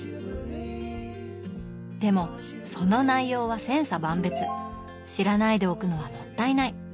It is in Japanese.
でもその内容は千差万別知らないでおくのはもったいない。